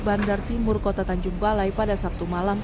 bandar timur kota tanjung balai pada sabtu malam